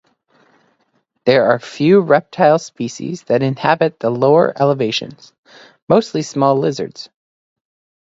There are few reptile species that inhabit the lower elevations mostly small lizards.